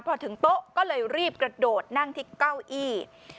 พอถึงโต๊ะก็เลยรีบกระโดดนั่งที่เก้าอี้